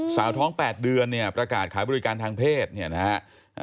สาวท้อง๘เดือนเนี่ยประกาศขายบริการทางเพศเนี่ยนะฮะ